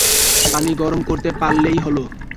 পানি গরম করতে পারলেই হল।